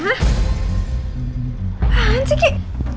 apaan sih ki